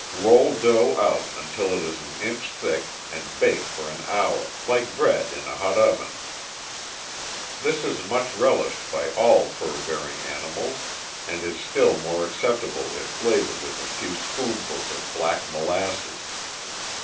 Roll dough out until it is an inch thick and bake for an hour like bread in a hot oven. This is much relished by all fur bearing animals, and is still more acceptable if flavored with a few spoonfuls of black molasses.